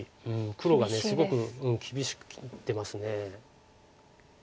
黒がすごく厳しく切ってます。